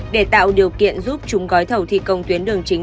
để tạo điều kiện giúp chúng gói thầu thi công tuyến đường chính